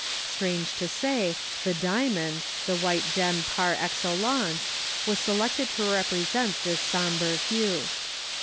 Strange to say, the diamond, the white gem par excellence, was selected to represent this sombre hue.